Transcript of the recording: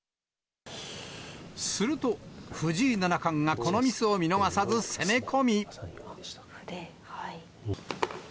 すると、藤井七冠がこのミスを見逃さず攻め込み。